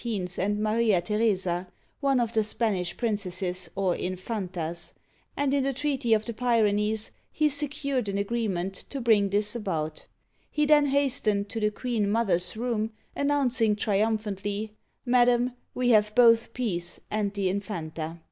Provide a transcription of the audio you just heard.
and Maria Theresa, one of the Spanish princesses, or infantas ; and in the treaty of the Pyrenees he secured an agree ment to bring this about. He then hastened to the queen mother's room, announcing triumphantly, "Madam, we Digitized by Google 326 OLD FRANCE have both peace and the Infanta!"